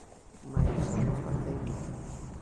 Mais Anova teima.